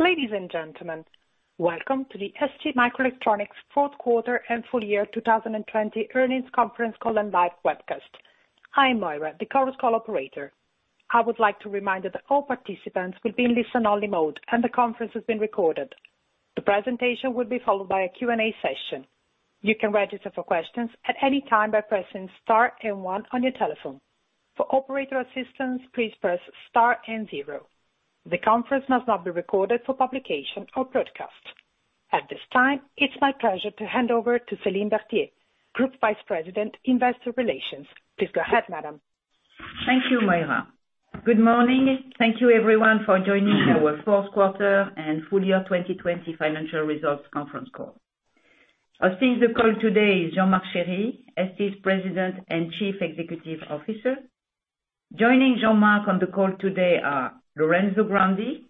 Ladies and gentlemen, welcome to the STMicroelectronics Q4 and Full-Year 2020 Earnings Conference Call and Live Webcast. I am Moira, the conference call operator. I would like to remind that all participants will be in listen-only mode, and the conference is being recorded. The presentation will be followed by a Q&A session. You can register for questions at any time by pressing star and one on your telephone. For operator assistance, please press star and zero. The conference must not be recorded for publication or broadcast. At this time, it's my pleasure to hand over to Céline Berthier, Group Vice President, Investor Relations. Please go ahead, madam. Thank you, Moira. Good morning. Thank you everyone for joining our Q4 and Full-Year 2020 Financial Results Conference Call. Hosting the call today is Jean-Marc Chery, ST's President and Chief Executive Officer. Joining Jean-Marc on the call today are Lorenzo Grandi,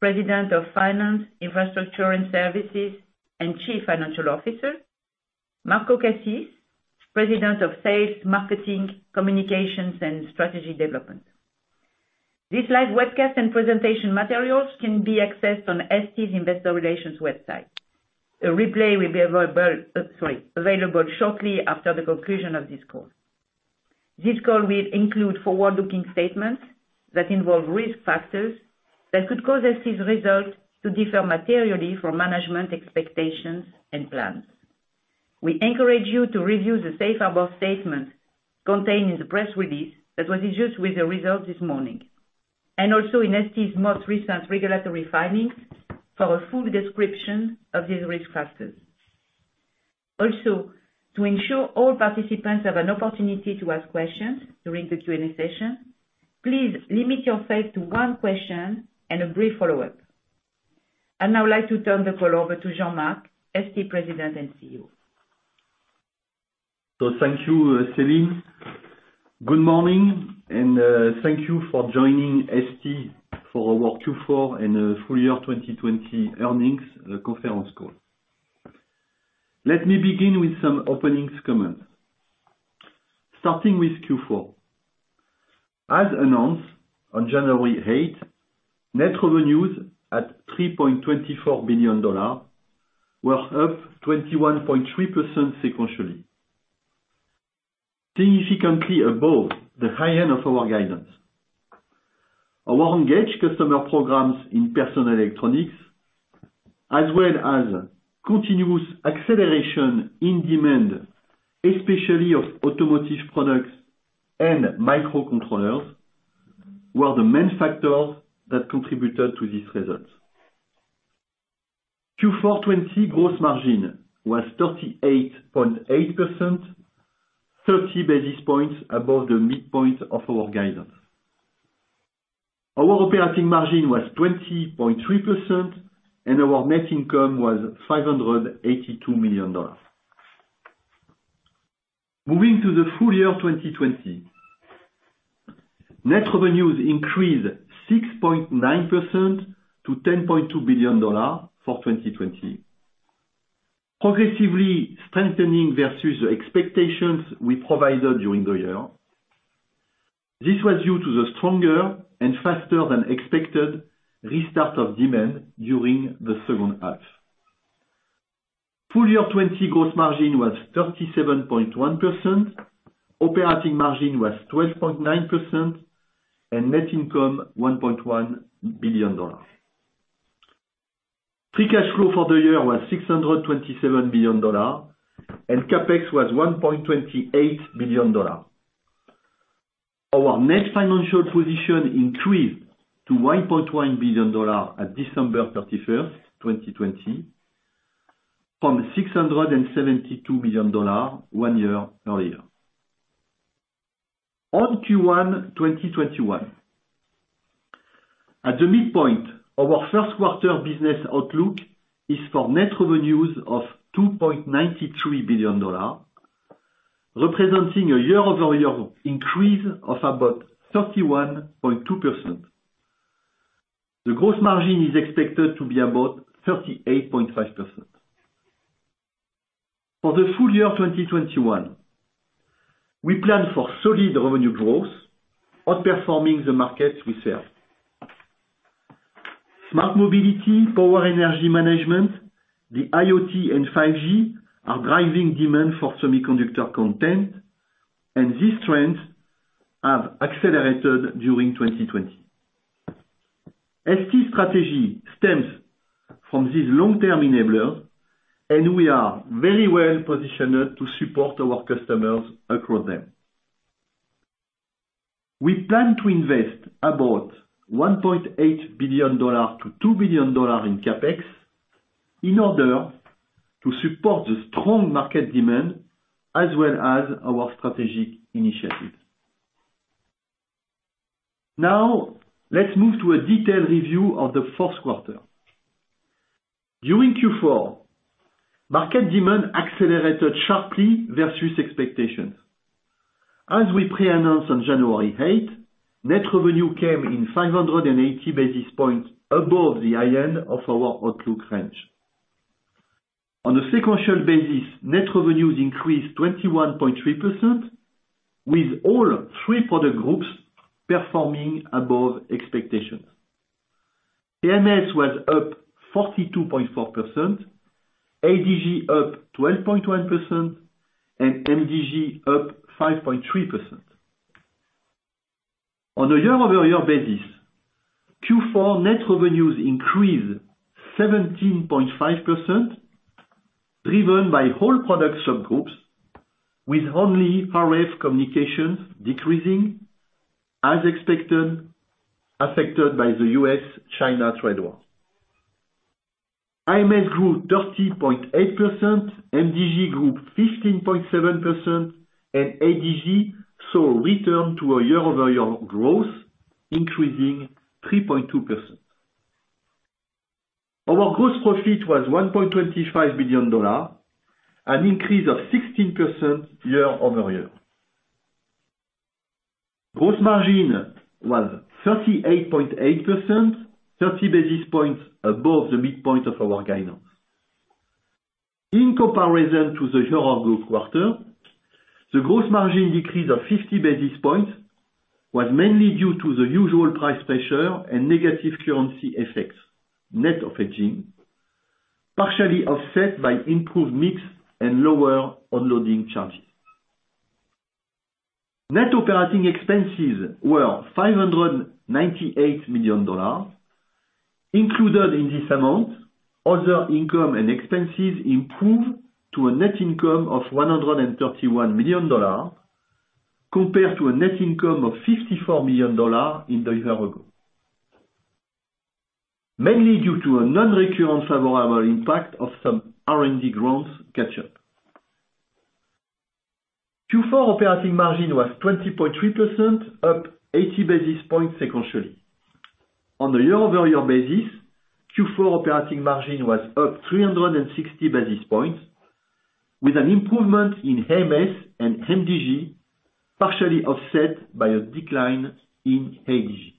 President of Finance, Infrastructure, and Services, and Chief Financial Officer. Marco Cassis, President of Sales, Marketing, Communications, and Strategy Development. This live webcast and presentation materials can be accessed on ST's Investor Relations website. A replay will be available shortly after the conclusion of this call. This call will include forward-looking statements that involve risk factors that could cause ST's results to differ materially from management expectations and plans. We encourage you to review the safe harbor statement contained in the press release that was issued with the results this morning, and also in ST's most recent regulatory filings for a full description of these risk factors. Also, to ensure all participants have an opportunity to ask questions during the Q&A session, please limit yourself to one question and a brief follow-up. I now like to turn the call over to Jean-Marc, ST President and CEO. Thank you, Céline. Good morning, and thank you for joining ST for our Q4 and Full-Year 2020 Earnings Conference Call. Let me begin with some opening comments. Starting with Q4. As announced on January 8th, net revenues at $3.24 billion were up 21.3% sequentially, significantly above the high end of our guidance. Our engaged customer programs in personal electronics, as well as continuous acceleration in demand, especially of automotive products and microcontrollers, were the main factors that contributed to this result. Q4 2020 gross margin was 38.8%, 30 basis points above the midpoint of our guidance. Our operating margin was 20.3%, and our net income was $582 million. Moving to the full year 2020, net revenues increased 6.9% to $10.2 billion for 2020, progressively strengthening versus the expectations we provided during the year. This was due to the stronger and faster-than-expected restart of demand during the second half. Full-year 2020 gross margin was 37.1%, operating margin was 12.9%, and net income $1.1 billion. Free cash flow for the year was $627 million, and CapEx was $1.28 billion. Our net financial position increased to $1.1 billion at December 31st, 2020, from $672 million one year earlier. On Q1 2021, at the midpoint of our first quarter business outlook is for net revenues of $2.93 billion, representing a year-over-year increase of about 31.2%. The gross margin is expected to be about 38.5%. For the full year 2021, we plan for solid revenue growth outperforming the markets we serve. Smart mobility, power energy management, the IoT, and 5G are driving demand for semiconductor content, and these trends have accelerated during 2020. ST strategy stems from these long-term enablers, and we are very well positioned to support our customers across them. We plan to invest about $1.8 billion-$2 billion in CapEx in order to support the strong market demand as well as our strategic initiatives. Let's move to a detailed review of the fourth quarter. During Q4, market demand accelerated sharply versus expectations. As we pre-announced on January 8th, net revenue came in 580 basis points above the high end of our outlook range. On a sequential basis, net revenues increased 21.3%, with all three product groups performing above expectations. AMS was up 42.4%, ADG up 12.1%, and MDG up 5.3%. On a year-over-year basis, Q4 net revenues increased 17.5%, driven by whole product subgroups, with only RF communications decreasing as expected, affected by the U.S.-China trade war. AMS grew 30.8%, MDG grew 15.7%, and ADG saw a return to a year-over-year growth increasing 3.2%. Our gross profit was $1.25 billion, an increase of 16% year-over-year. Gross margin was 38.8%, 30 basis points above the midpoint of our guidance. In comparison to the year-over-year quarter, the gross margin decrease of 50 basis points was mainly due to the usual price pressure and negative currency effects, net of hedging, partially offset by improved mix and lower unloading charges. Net operating expenses were $598 million. Included in this amount, other income and expenses improved to a net income of $131 million compared to a net income of $54 million in the year ago. Mainly due to a non-recurrent favorable impact of some R&D grants catch-up. Q4 operating margin was 20.3%, up 80 basis points sequentially. On a year-over-year basis, Q4 operating margin was up 360 basis points, with an improvement in AMS and MDG, partially offset by a decline in ADG.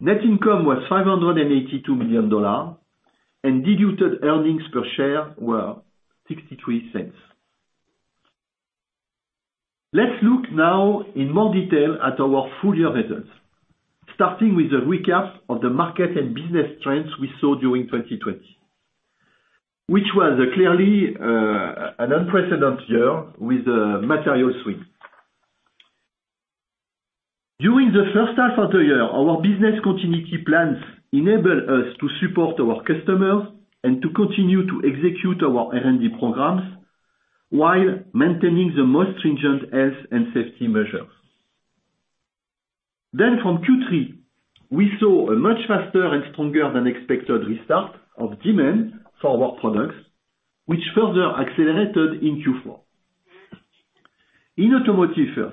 Net income was $582 million, and diluted earnings per share were $0.63. Let's look now in more detail at our full-year results, starting with a recap of the market and business trends we saw during 2020, which was clearly an unprecedented year with a material swing. During the first half of the year, our business continuity plans enabled us to support our customers and to continue to execute our R&D programs while maintaining the most stringent health and safety measures. From Q3, we saw a much faster and stronger than expected restart of demand for our products, which further accelerated in Q4. In automotive,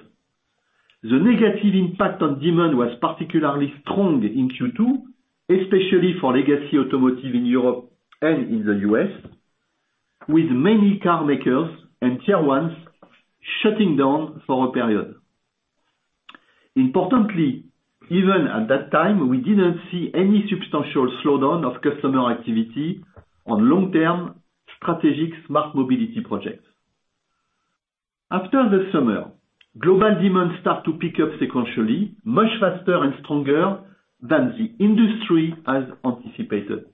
the negative impact on demand was particularly strong in Q2, especially for legacy automotive in Europe and in the U.S., with many car makers and tier ones shutting down for a period. Importantly, even at that time, we didn't see any substantial slowdown of customer activity on long-term strategic smart mobility projects. After the summer, global demand started to pick up sequentially, much faster and stronger than the industry had anticipated.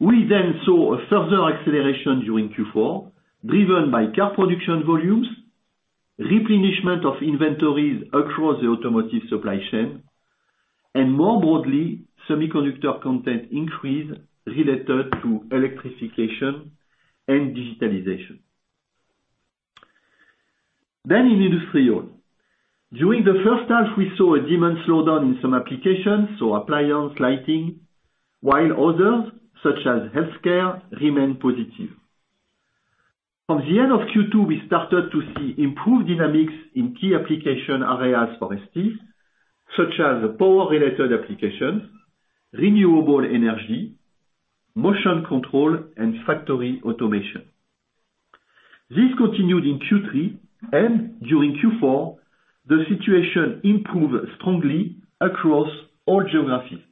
We then saw a further acceleration during Q4, driven by car production volumes, replenishment of inventories across the automotive supply chain, and more broadly, semiconductor content increase related to electrification and digitalization. In industrial. During the first half, we saw a demand slowdown in some applications so appliance, lighting, while others, such as healthcare, remained positive. From the end of Q2, we started to see improved dynamics in key application areas for ST, such as power-related applications, renewable energy, motion control, and factory automation. This continued in Q3, and during Q4, the situation improved strongly across all geographies.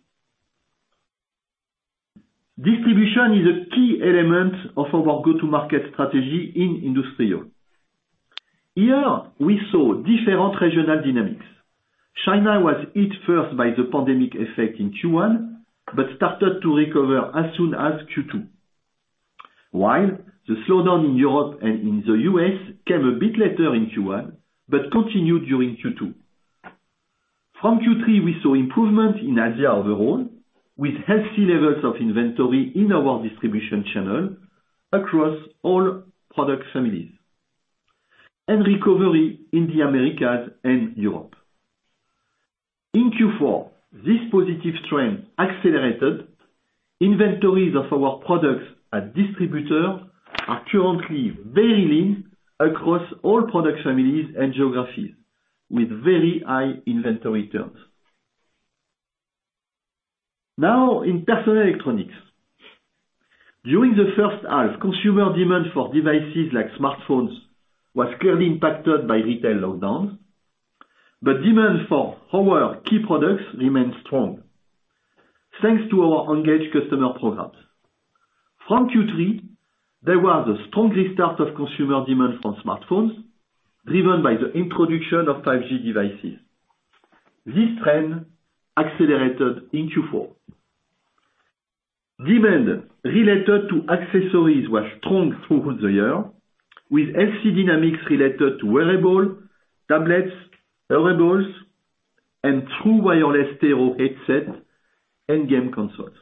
Distribution is a key element of our go-to-market strategy in industrial. Here, we saw different regional dynamics. China was hit first by the pandemic effect in Q1, but started to recover as soon as Q2. While the slowdown in Europe and in the U.S. came a bit later in Q1, but continued during Q2. From Q3, we saw improvement in Asia overall, with healthy levels of inventory in our distribution channel across all product families, and recovery in the Americas and Europe. In Q4, this positive trend accelerated. Inventories of our products at distributors are currently very lean across all product families and geographies, with very high inventory turns. Now in personal electronics. During the first half, consumer demand for devices like smartphones was clearly impacted by retail lockdowns. The demand for our key products remains strong. Thanks to our engaged customer programs. From Q3, there was a strong restart of consumer demand for smartphones, driven by the introduction of 5G devices. This trend accelerated in Q4. Demand related to accessories was strong throughout the year, with healthy dynamics related to wearable, tablets, wearables, and true wireless stereo headset and game consoles.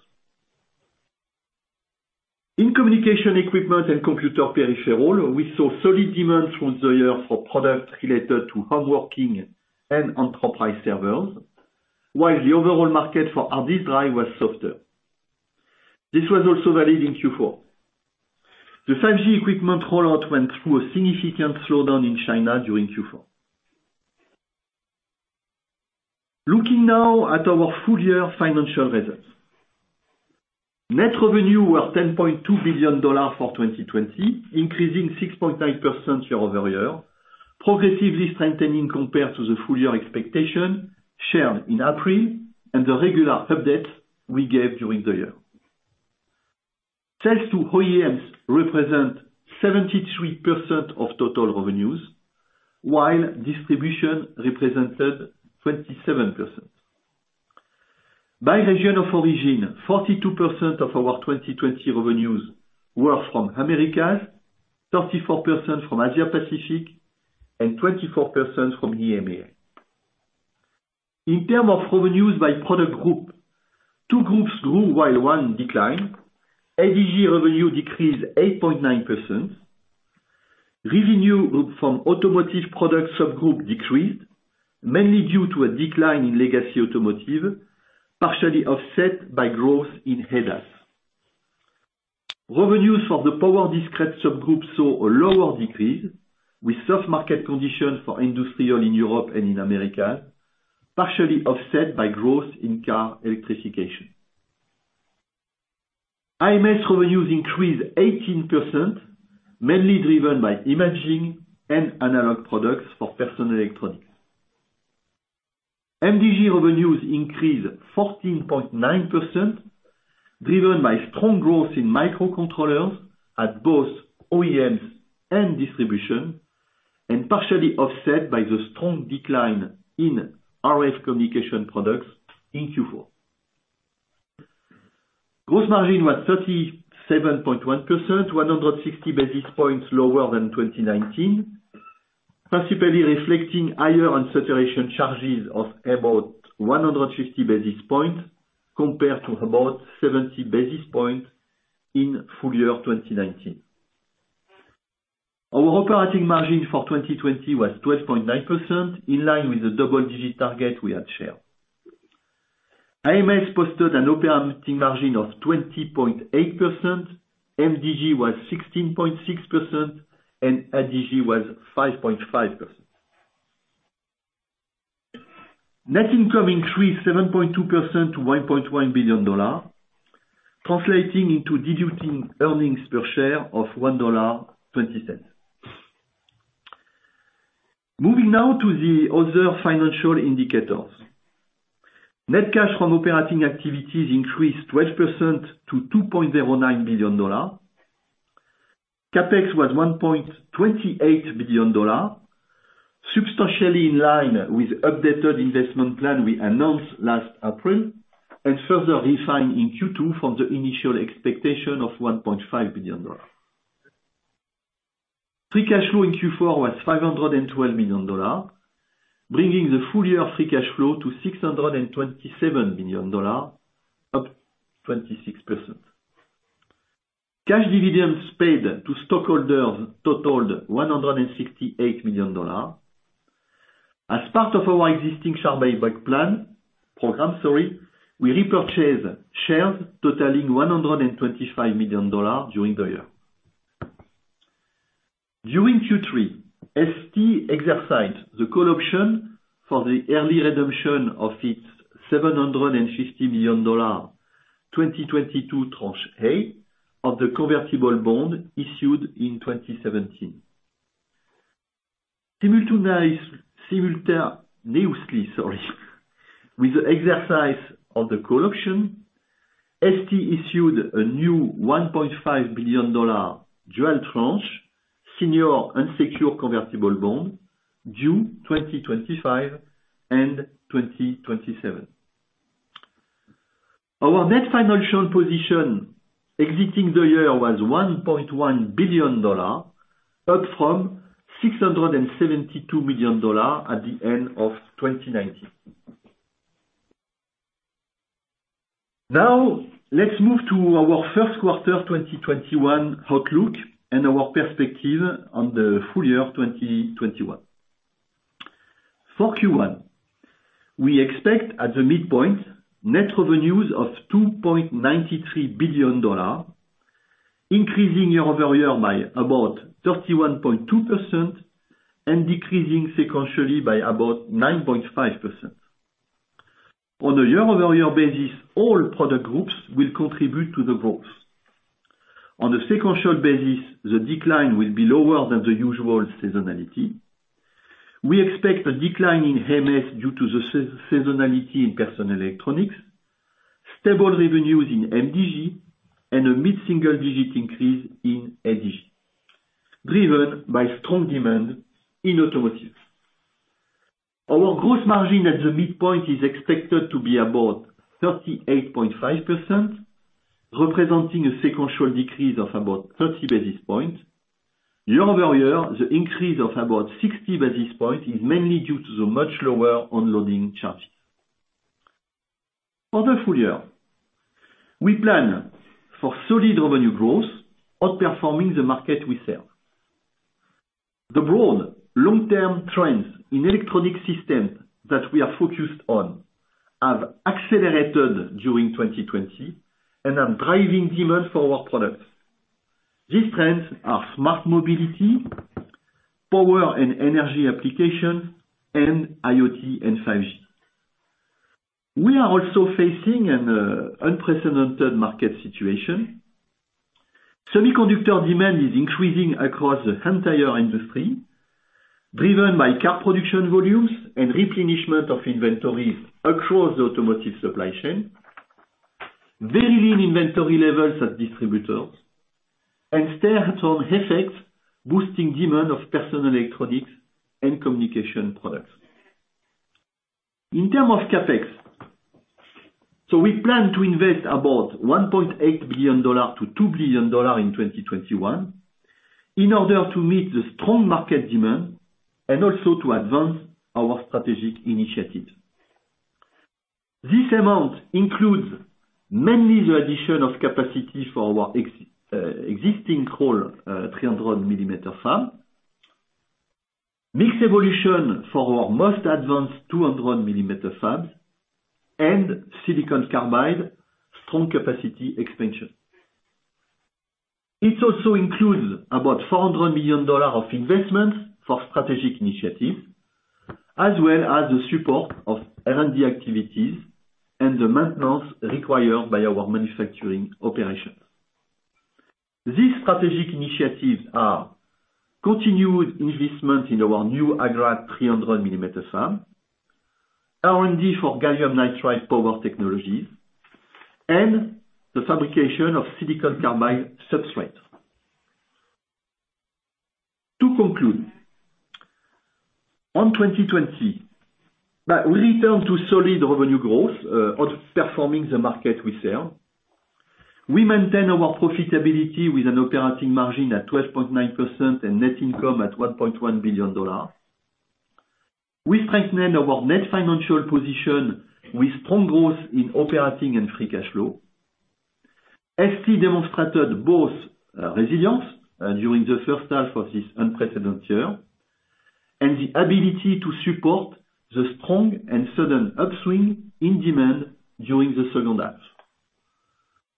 In communication equipment and computer peripheral, we saw solid demand from the year for products related to home working and enterprise servers, while the overall market for hard disk drive was softer. This was also valid in Q4. The 5G equipment rollout went through a significant slowdown in China during Q4. Looking now at our full-year financial results. Net revenue was $10.2 billion for 2020, increasing 6.9% year-over-year, progressively strengthening compared to the full year expectation shared in April and the regular updates we gave during the year. Sales to OEMs represent 73% of total revenues, while distribution represented 27%. By region of origin, 42% of our 2020 revenues were from Americas, 34% from Asia Pacific, and 24% from EMEA. In terms of revenues by product group, two groups grew while one declined. ADG revenue decreased 8.9%. Revenue from automotive product subgroup decreased, mainly due to a decline in legacy automotive, partially offset by growth in ADAS. Revenues for the power discrete subgroup saw a lower decrease, with soft market conditions for industrial in Europe and in America, partially offset by growth in car electrification. IMS revenues increased 18%, mainly driven by imaging and analog products for personal electronics. MDG revenues increased 14.9%, driven by strong growth in microcontrollers at both OEMs and distribution, partially offset by the strong decline in RF communications products in Q4. Gross margin was 37.1%, 160 basis points lower than 2019, principally reflecting higher unsaturation charges of about 150 basis points compared to about 70 basis points in full-year 2019. Our operating margin for 2020 was 12.9%, in line with the double-digit target we had shared. IMS posted an operating margin of 20.8%, MDG was 16.6%, and ADG was 5.5%. Net income increased 7.2% to $1.1 billion, translating into diluted earnings per share of $1.20. Moving now to the other financial indicators. Net cash from operating activities increased 12% to $2.09 billion. CapEx was $1.28 billion, substantially in line with updated investment plan we announced last April and further refined in Q2 from the initial expectation of $1.5 billion. Free cash flow in Q4 was $512 million, bringing the full-year free cash flow to $627 million, up 26%. Cash dividends paid to stockholders totaled $168 million. As part of our existing share buyback program, we repurchased shares totaling $125 million during the year. During Q3, ST exercised the call option for the early redemption of its $750 million 2022 tranche A of the convertible bond issued in 2017. Simultaneously, with the exercise of the call option, ST issued a new $1.5 billion dual tranche, senior unsecured convertible bond due 2025 and 2027. Our net financial position exiting the year was $1.1 billion, up from $672 million at the end of 2019. Now, let's move to our first quarter 2021 outlook and our perspective on the full year 2021. For Q1, we expect at the midpoint net revenues of $2.93 billion, increasing year-over-year by about 31.2% and decreasing sequentially by about 9.5%. On a year-over-year basis, all product groups will contribute to the growth. On a sequential basis, the decline will be lower than the usual seasonality. We expect a decline in AMS due to the seasonality in personal electronics, stable revenues in MDG, and a mid-single-digit increase in ADG, driven by strong demand in automotive. Our gross margin at the midpoint is expected to be about 38.5%, representing a sequential decrease of about 30 basis points. Year-over-year, the increase of about 60 basis points is mainly due to the much lower unloading charges. For the full year, we plan for solid revenue growth, outperforming the market we serve. The broad long-term trends in electronic systems that we are focused on have accelerated during 2020 and are driving demand for our products. These trends are smart mobility, power and energy application, and IoT and 5G. We are also facing an unprecedented market situation. Semiconductor demand is increasing across the entire industry, driven by car production volumes and replenishment of inventories across the automotive supply chain, very lean inventory levels at distributors, and stay at home effects boosting demand of personal electronics and communication products. In terms of CapEx, we plan to invest about $1.8 billion-$2 billion in 2021 in order to meet the strong market demand and also to advance our strategic initiative. This amount includes mainly the addition of capacity for our existing Crolles 300-millimeter fab, mixed evolution for our most advanced 200-millimeter fabs, and silicon carbide strong capacity expansion. It also includes about $400 million of investments for strategic initiatives, as well as the support of R&D activities and the maintenance required by our manufacturing operations. These strategic initiatives are continued investment in our new Agrate 300-millimeter fab, R&D for gallium nitride power technologies, and the fabrication of silicon carbide substrate. To conclude, on 2020, we return to solid revenue growth, outperforming the market we serve. We maintain our profitability with an operating margin at 12.9% and net income at $1.1 billion. We strengthen our net financial position with strong growth in operating and free cash flow. ST demonstrated both resilience during the first half of this unprecedented year and the ability to support the strong and sudden upswing in demand during the second half.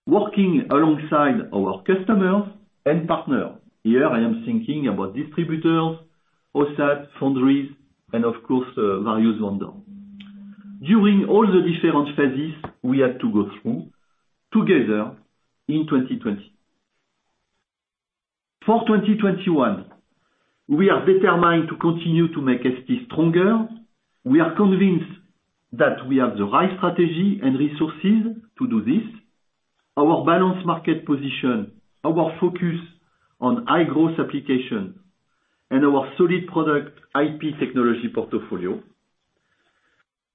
Working alongside our customers and partners, here, I am thinking about distributors, OSAT, foundries, and of course, various vendor, during all the different phases we had to go through together in 2020. For 2021, we are determined to continue to make ST stronger. We are convinced that we have the right strategy and resources to do this. Our balanced market position, our focus on high growth application, and our solid product IP technology portfolio.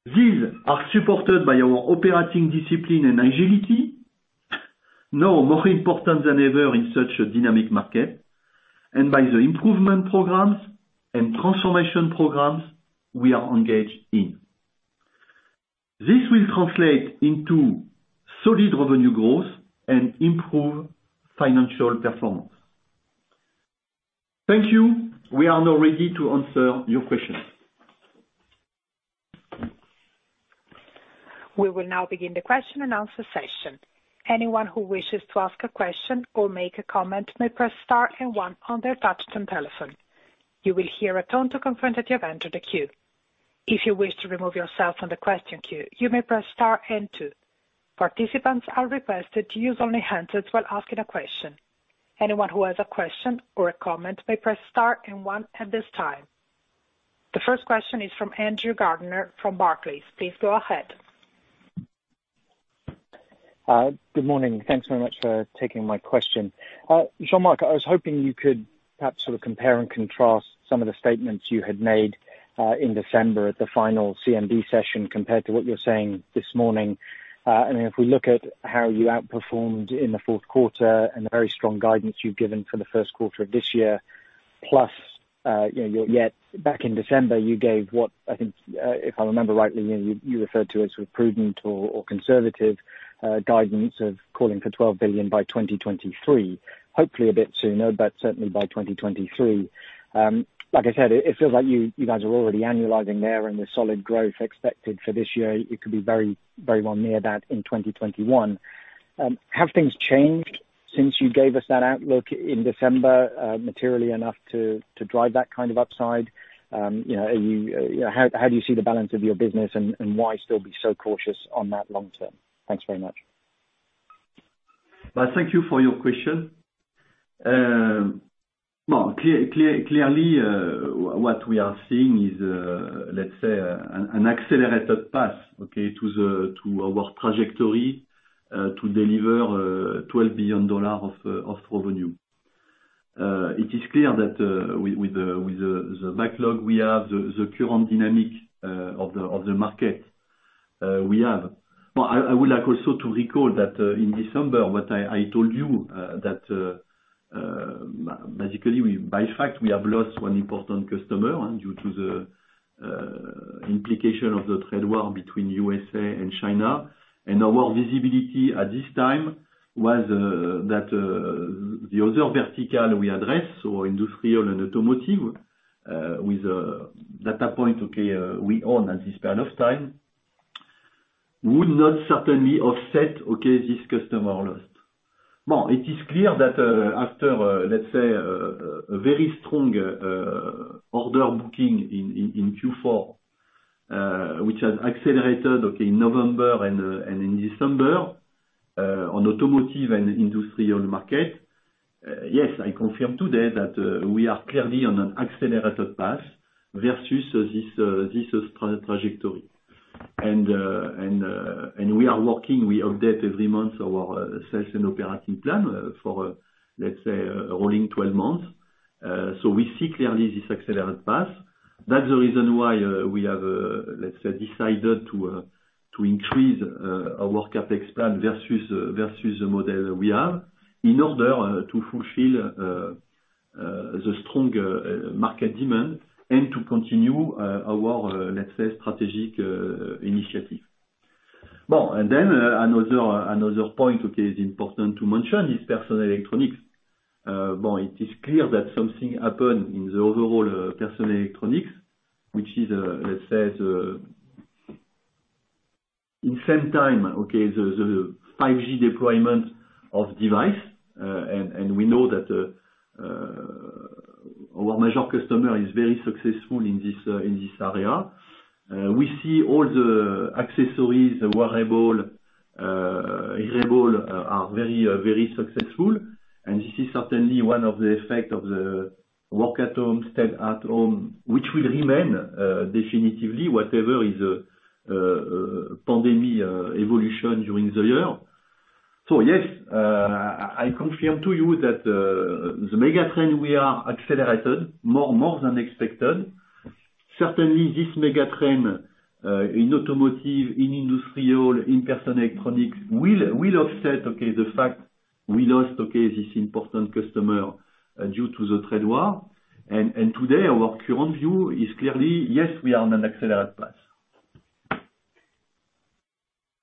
These are supported by our operating discipline and agility, now more important than ever in such a dynamic market, and by the improvement programs and transformation programs we are engaged in. This will translate into solid revenue growth and improve financial performance. Thank you. We are now ready to answer your questions. The first question is from Andrew Gardiner from Barclays. Please go ahead. Good morning. Thanks very much for taking my question. Jean-Marc, I was hoping you could perhaps sort of compare and contrast some of the statements you had made in December at the final CMD session compared to what you're saying this morning. If we look at how you outperformed in the fourth quarter and the very strong guidance you've given for the first quarter of this year, plus back in December, you gave what I think, if I remember rightly, you referred to as sort of prudent or conservative guidance of calling for $12 billion by 2023, hopefully a bit sooner, but certainly by 2023. Like I said, it feels like you guys are already annualizing there, and the solid growth expected for this year, it could be very well near that in 2021. Have things changed since you gave us that outlook in December materially enough to drive that kind of upside? How do you see the balance of your business, and why still be so cautious on that long term? Thanks very much. Thank you for your question. Clearly, what we are seeing is, let's say, an accelerated path, okay, to our trajectory to deliver $12 billion of revenue. It is clear that with the backlog we have, the current dynamic of the market we have, I would like also to recall that in December, what I told you, that basically, by fact, we have lost one important customer due to the implication of the trade war between U.S.A. and China. Our visibility at this time was that the other vertical we address, so industrial and automotive, with data point, okay, we own at this point of time, would not certainly offset, okay, this customer lost. It is clear that after, let's say, a very strong order booking in Q4, which has accelerated, okay, in November and in December, on automotive and industrial market. Yes, I confirm today that we are clearly on an accelerated path versus this trajectory. We are working, we update every month our sales and operating plan for rolling 12 months. We see clearly this accelerated path. That's the reason why we have decided to increase our CapEx plan versus the model we have in order to fulfill the strong market demand and to continue our strategic initiative. Another point is important to mention is personal electronics. It is clear that something happened in the overall personal electronics, which is the same time, the 5G deployment of device. We know that our major customer is very successful in this area. We see all the accessories, wearables are very successful, and this is certainly one of the effects of the work at home, stay at home, which will remain definitively whatever is the pandemic evolution during the year. Yes, I confirm to you that the megatrend we are accelerated more than expected. Certainly, this megatrend in automotive, in industrial, in personal electronics will offset, okay, the fact we lost, okay, this important customer due to the trade war. Today our current view is clearly, yes, we are on an accelerated path.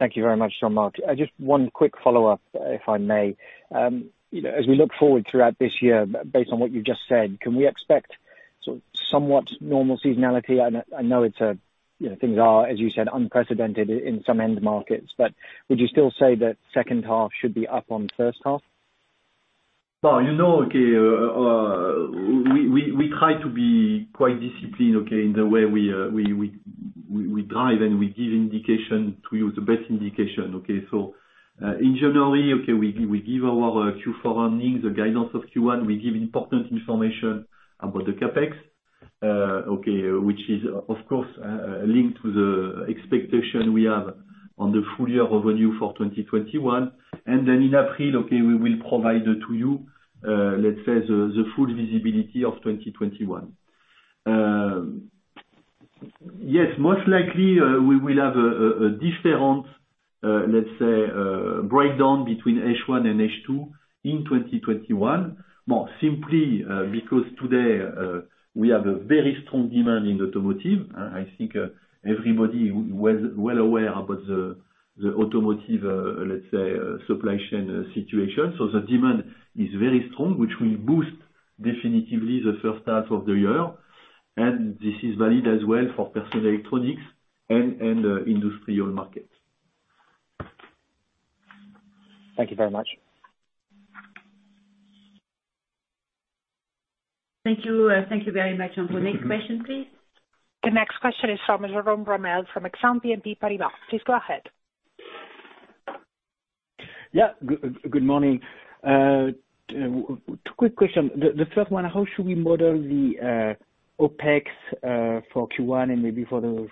Thank you very much, Jean-Marc. Just one quick follow-up, if I may. As we look forward throughout this year, based on what you've just said, can we expect sort of somewhat normal seasonality? I know things are, as you said, unprecedented in some end markets, would you still say that second half should be up on first half? We try to be quite disciplined, okay, in the way we drive, and we give indication to you, the best indication, okay? In January, okay, we give our Q4 earnings, the guidance of Q1, we give important information about the CapEx, okay, which is, of course, linked to the expectation we have on the full-year revenue for 2021. Then in April, okay, we will provide to you, let's say, the full visibility of 2021. Yes, most likely, we will have a different, let's say, breakdown between H1 and H2 in 2021. Because today, we have a very strong demand in automotive. I think everybody well aware about the automotive, let's say, supply chain situation. The demand is very strong, which will boost definitively the first half of the year, and this is valid as well for personal electronics and industrial markets. Thank you very much. Thank you. Thank you very much. Next question, please. The next question is from Jerome Ramel, from Exane BNP Paribas. Please go ahead. Yeah. Good morning. Two quick question. The first one, how should we model the OPEX for Q1 and maybe for the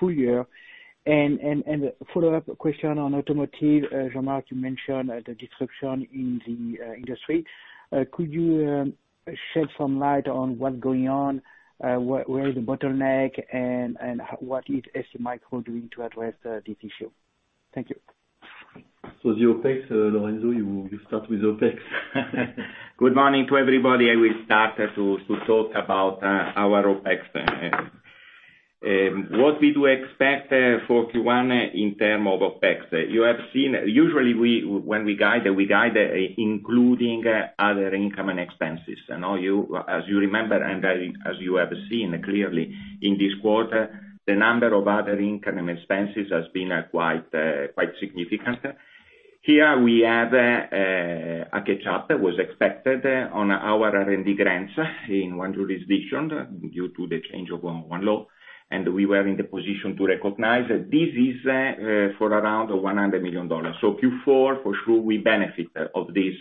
full year? A follow-up question on automotive. Jean-Marc, you mentioned the disruption in the industry. Could you shed some light on what's going on, where is the bottleneck, and what is STMicroelectronics doing to address this issue? Thank you. The OPEX, Lorenzo, you start with OPEX. Good morning to everybody. I will start to talk about our OPEX. What we do expect for Q1 in terms of OPEX. You have seen, usually when we guide, we guide including other income and expenses. I know as you remember and as you have seen clearly in this quarter, the number of other income expenses has been quite significant. Here we have a catch-up that was expected on our R&D grants in one jurisdiction due to the change of one law, and we were in the position to recognize that this is for around $100 million. Q4, for sure, we benefit of this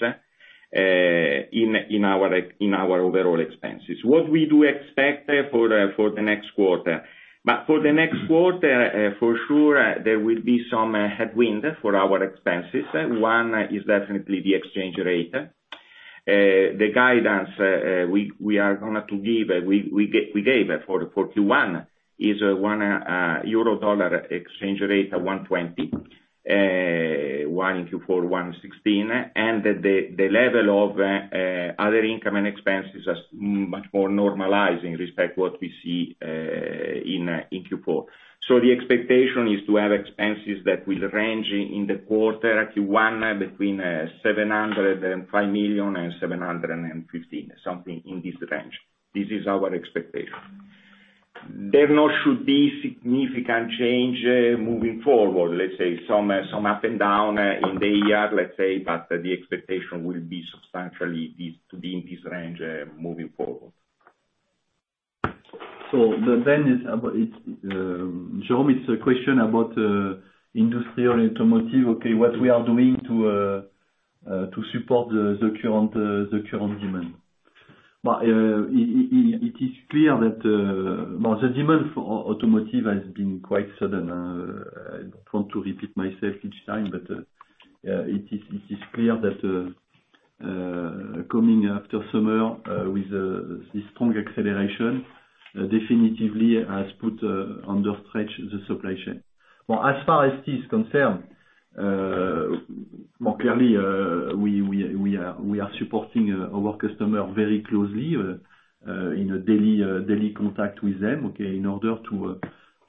in our overall expenses. What we do expect for the next quarter. For the next quarter, for sure, there will be some headwind for our expenses. One is definitely the exchange rate. The guidance we are going to give, we gave for Q1 is a Euro dollar exchange rate of 120, Q4 116. The level of other income and expenses are much more normalized in respect what we see in Q4. The expectation is to have expenses that will range in the quarter Q1, between $705 million and $715 million, something in this range. This is our expectation. There not should be significant change moving forward. Let's say some up and down in the year, let's say, the expectation will be substantially to be in this range moving forward. Jerome, it's a question about industrial automotive. What we are doing to support the current demand. It is clear that the demand for automotive has been quite sudden. I don't want to repeat myself each time, but it is clear that coming after summer with this strong acceleration definitively has put under stretch the supply chain. As far as ST is concerned, clearly, we are supporting our customer very closely, in a daily contact with them. In order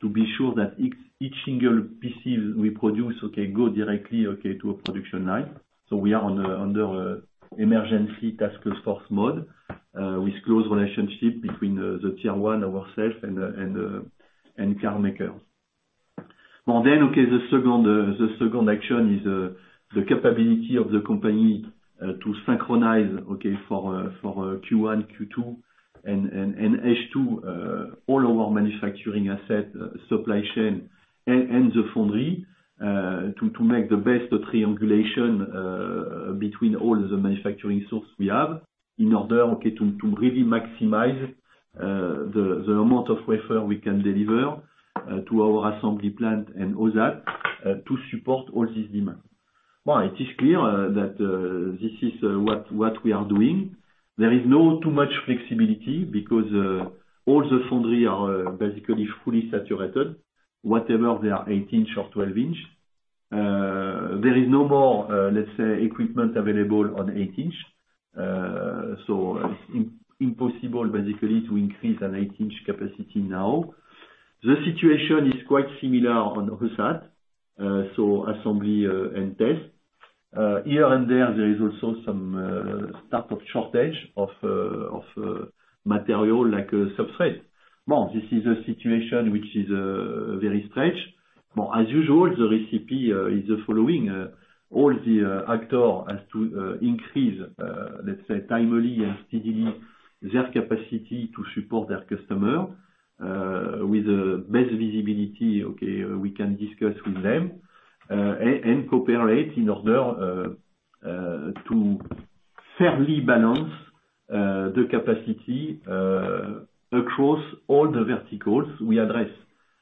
to be sure that each single PC we produce go directly to a production line. We are under emergency task force mode, with close relationship between the tier one, ourself, and car makers. The second action is the capability of the company to synchronize for Q1, Q2, and H2 all our manufacturing assets, supply chain, and the foundry to make the best triangulation between all the manufacturing sources we have in order to really maximize the amount of wafer we can deliver to our assembly plant and OSAT to support all this demand. It is clear that this is what we are doing. There is no too much flexibility because all the foundries are basically fully saturated, whatever they are 8-inch or 12 inch. There is no more equipment available on 8-inch. It's impossible basically to increase an 8-inch capacity now. The situation is quite similar on OSAT, so assembly and test. Here and there is also some type of shortage of material, like substrate. This is a situation which is very stretched. As usual, the recipe is the following. All the actor has to increase, let's say, timely and steadily their capacity to support their customer, with best visibility, okay, we can discuss with them, and cooperate in order to fairly balance the capacity across all the verticals we address.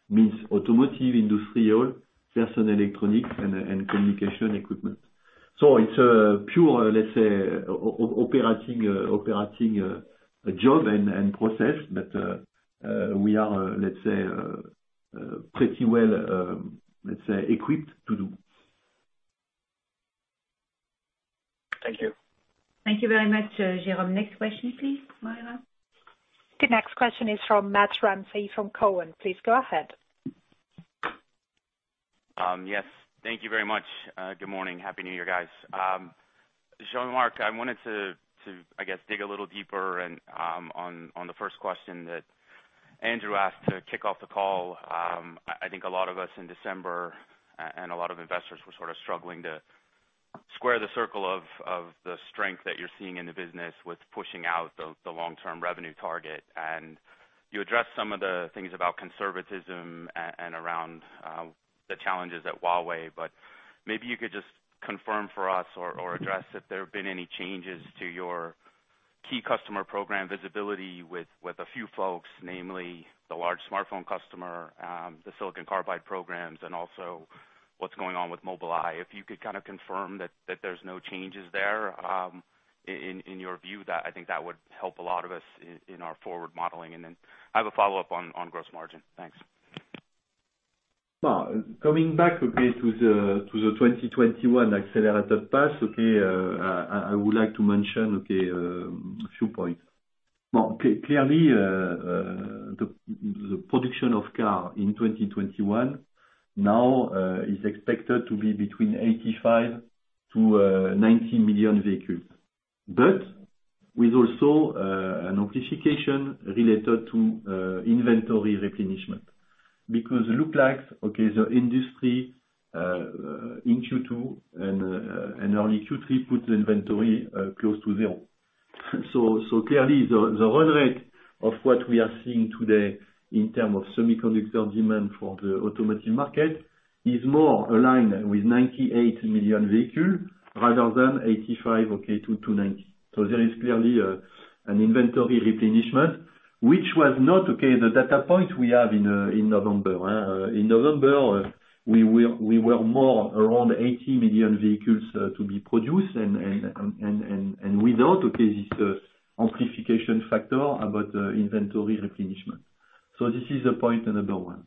Means automotive, industrial, personal electronic, and communication equipment. It's a pure, let's say, operating job and process that we are, let's say, pretty well equipped to do. Thank you. Thank you very much, Jerome. Next question, please, Moira. The next question is from Matt Ramsay from Cowen. Please go ahead. Yes. Thank you very much. Good morning. Happy New Year, guys. Jean-Marc, I wanted to, I guess, dig a little deeper on the first question that Andrew asked to kick off the call. I think a lot of us in December and a lot of investors were sort of struggling to square the circle of the strength that you're seeing in the business with pushing out the long-term revenue target. You addressed some of the things about conservatism and around the challenges at Huawei, but maybe you could just confirm for us or address if there have been any changes to your key customer program visibility with a few folks, namely the large smartphone customer, the silicon carbide programs, and also what's going on with Mobileye. If you could kind of confirm that there is no changes there, in your view, I think that would help a lot of us in our forward modeling. I have a follow-up on gross margin. Thanks. Coming back to the 2021 accelerated path, I would like to mention a few points. Clearly, the production of car in 2021 now is expected to be between 85 million-90 million vehicles, with also an amplification related to inventory replenishment. Because it looks like the industry in Q2 and early Q3 put the inventory close to zero. Clearly, the run rate of what we are seeing today in terms of semiconductor demand for the automotive market is more aligned with 98 million vehicles rather than 85 million-90 million. There is clearly an inventory replenishment, which was not the data point we have in November. In November, we were more around 80 million vehicles to be produced, and without this amplification factor about inventory replenishment. This is point number one.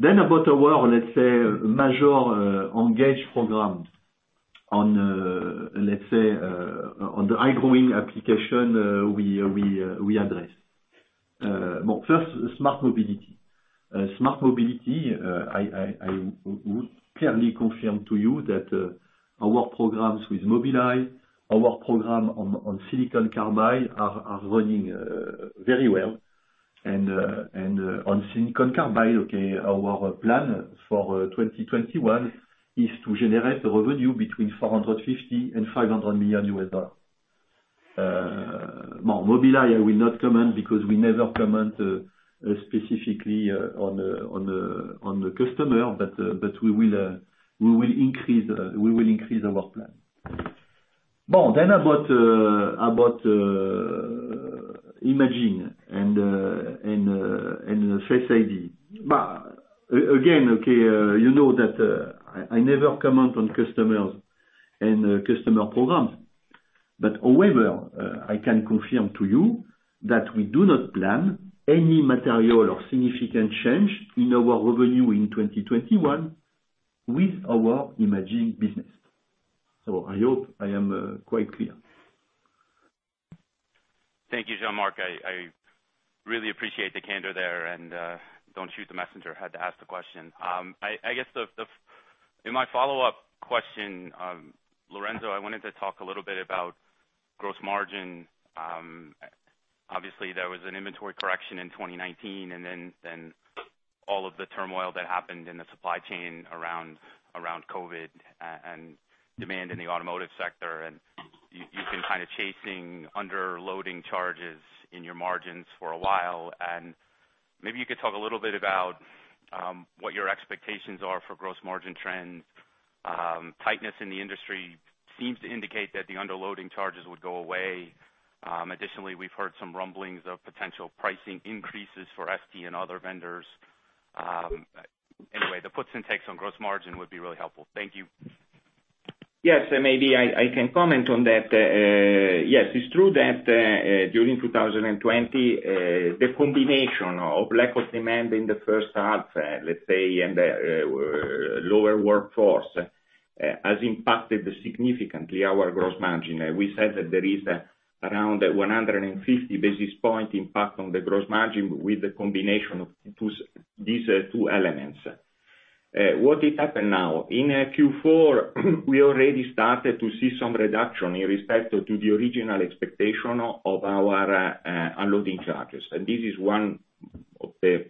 About our, let's say, major engaged program on the high-growing application we address. First, smart mobility. Smart mobility, I would clearly confirm to you that our programs with Mobileye, our program on silicon carbide, are running very well. On silicon carbide, okay, our plan for 2021 is to generate a revenue between $450 million and $500 million. Mobileye, I will not comment because we never comment specifically on the customer, we will increase our plan. About imaging and Face ID. Again, okay, you know that I never comment on customers and customer programs. However, I can confirm to you that we do not plan any material or significant change in our revenue in 2021 with our imaging business. I hope I am quite clear. Thank you, Jean-Marc. I really appreciate the candor there and don't shoot the messenger, had to ask the question. I guess in my follow-up question, Lorenzo, I wanted to talk a little bit about gross margin. Obviously, there was an inventory correction in 2019, and then all of the turmoil that happened in the supply chain around COVID and demand in the automotive sector, and you've been kind of chasing unloading charges in your margins for a while. Maybe you could talk a little bit about what your expectations are for gross margin trends. Tightness in the industry seems to indicate that the unloading charges would go away. Additionally, we've heard some rumblings of potential pricing increases for ST and other vendors. Anyway, the puts and takes on gross margin would be really helpful. Thank you. Yes. Maybe I can comment on that. Yes, it's true that during 2020, the combination of lack of demand in the first half, let's say, and lower workforce, has impacted significantly our gross margin. We said that there is around 150 basis point impact on the gross margin with the combination of these two elements. What happened now? In Q4, we already started to see some reduction in respect to the original expectation of our unloading charges. This is one of the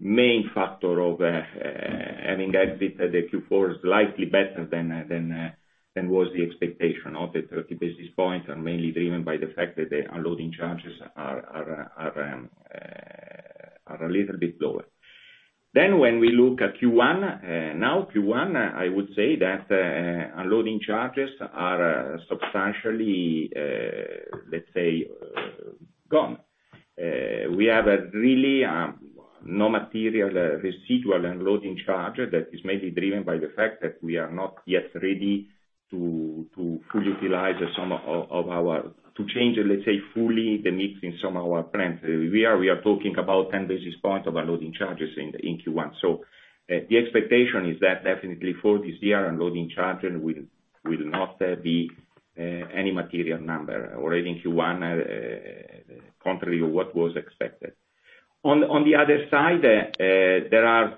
main factor of having exit the Q4 slightly better than was the expectation of the 30 basis points, and mainly driven by the fact that the unloading charges are a little bit lower. When we look at Q1, now Q1, I would say that unloading charges are substantially, let's say, gone. We have a really no material residual unloading charge that is mainly driven by the fact that we are not yet ready to fully utilize, to change, let's say, fully the mix in some of our plants. We are talking about 10 basis points of unloading charges in Q1. The expectation is that definitely for this year, unloading charges will not be any material number. Already in Q1, contrary to what was expected. On the other side, there are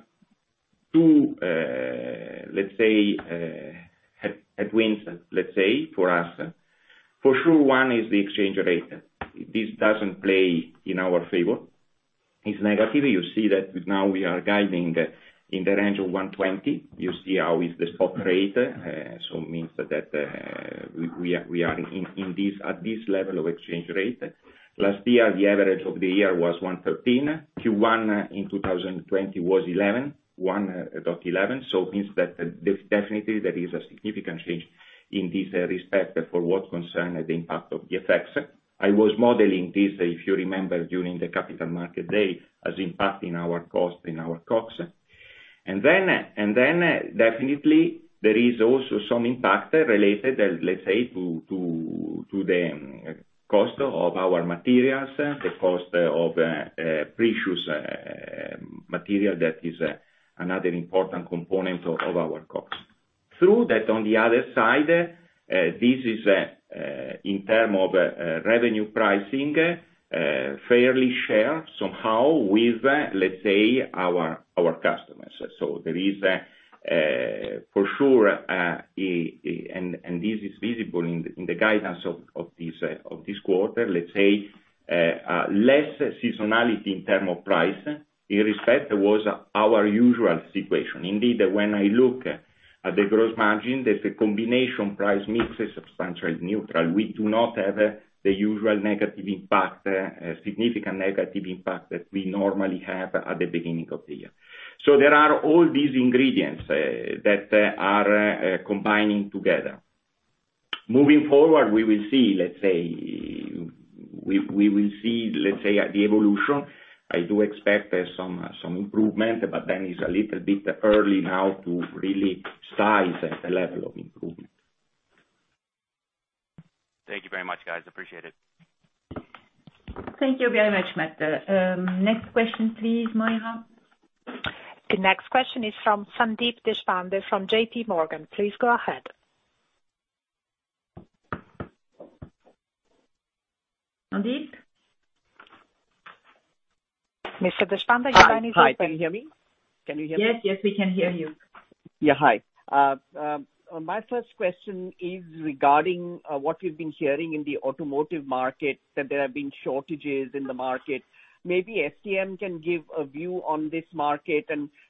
two, let's say, headwinds for us. For sure, one is the exchange rate. This doesn't play in our favor. It's negative. You see that now we are guiding in the range of 120. You see how is the spot rate. Means that we are at this level of exchange rate. Last year, the average of the year was 113. Q1 in 2020 was 111. It means that definitely there is a significant change in this respect for what concern the impact of the effects. I was modeling this, if you remember during the Capital Markets Day, as impacting our cost and our COGS. Definitely, there is also some impact related, let's say, to the cost of our materials, the cost of precious material that is another important component of our cost. True that on the other side, this is, in term of revenue pricing, fairly share somehow with, let's say, our customers. There is, for sure, and this is visible in the guidance of this quarter, let's say, less seasonality in term of price. In respect was our usual situation. Indeed, when I look at the gross margin, there's a combination price mix, substantial neutral. We do not have the usual negative impact, significant negative impact that we normally have at the beginning of the year. There are all these ingredients that are combining together. Moving forward, we will see, let's say, the evolution. I do expect some improvement, it's a little bit early now to really size the level of improvement. Thank you very much, guys. Appreciate it. Thank you very much, Matt. Next question please, Moira. The next question is from Sandeep Deshpande from JPMorgan. Please go ahead. Sandeep? Mr. Deshpande, your line is open. Hi. Can you hear me? Can you hear me? Yes, we can hear you. Yeah. Hi. My first question is regarding what we've been hearing in the automotive market, that there have been shortages in the market. Maybe STM can give a view on this market.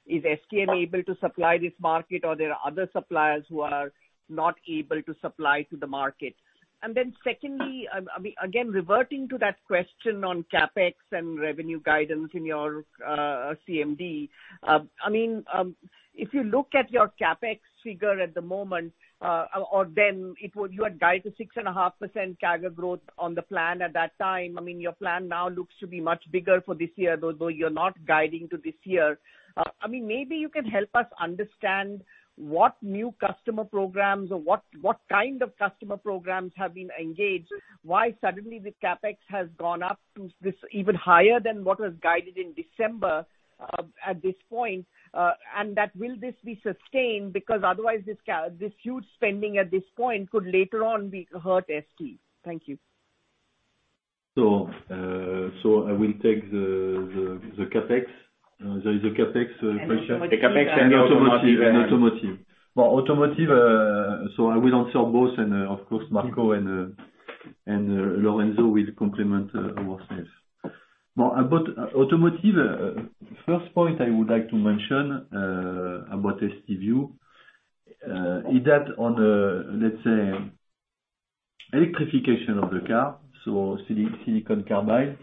Is STM able to supply this market, or there are other suppliers who are not able to supply to the market? Secondly, again, reverting to that question on CapEx and revenue guidance in your CMD. If you look at your CapEx figure at the moment, or then you had guided 6.5% CAGR growth on the plan at that time. Your plan now looks to be much bigger for this year, although you're not guiding to this year. Maybe you can help us understand what new customer programs or what kind of customer programs have been engaged, why suddenly the CapEx has gone up to this even higher than what was guided in December at this point. Will this be sustained? Otherwise, this huge spending at this point could later on hurt ST. Thank you. I will take the CapEx. There is a CapEx question. Automotive. The CapEx and the automotive guidance. Automotive. I will answer both, and, of course, Marco and Lorenzo will complement ourselves. Automotive, first point I would like to mention, about ST view, is that on the electrification of the car, silicon carbide.